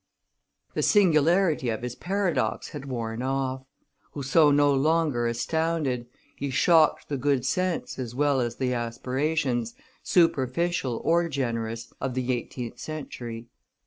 The singularity of his paradox had worn off; Rousseau no longer astounded, he shocked the good sense as well as the aspirations, superficial or generous, of the eighteenth century.